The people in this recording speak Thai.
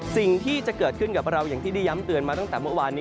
สิ่งที่จะเกิดขึ้นกับเราอย่างที่ได้ย้ำเตือนมาตั้งแต่เมื่อวานนี้